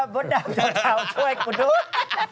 บ๊อตดำเจ้าช่วยกับมนุษย์